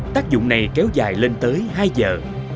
tác dụng này kéo dài lên tới hai giờ